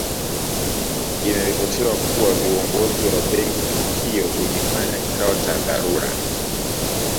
Inaripotiwa kuwa uongozi wa benki hiyo ulifanya kikao cha dharura